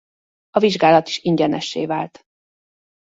A vizsgálat is ingyenessé vált.